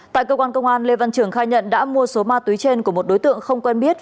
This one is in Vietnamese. tại cơ quan công an lê văn trường khai nhận đã mua số ma túy trên của một đối tượng không quen biết